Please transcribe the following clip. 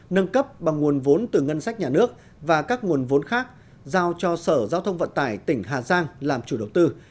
nâng cấp bằng nguồn vốn từ ngân sách nhà nước và các nguồn vốn khác giao cho sở giao thông vận tải tỉnh hà giang làm chủ đầu tư